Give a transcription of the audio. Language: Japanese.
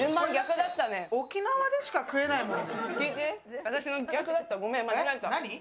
沖縄でしか食えないもん。